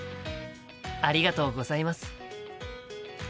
ありがとうございます。